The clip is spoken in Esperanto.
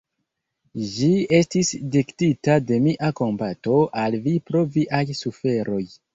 Ĝi estis diktita de mia kompato al vi pro viaj suferoj.